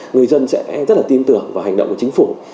người dân sẽ rất là tin tưởng vào hành động của chính phủ